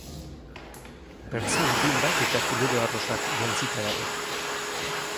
Jertse urdin bat eta kulero arrosak jantzita dago.